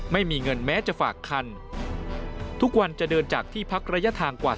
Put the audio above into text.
ไม่มีเงินแม้จะฝากคันทุกวันจะเดินจากที่พักระยะทางกว่า